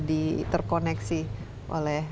di terkoneksi oleh